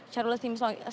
syahrul yassin limbo ini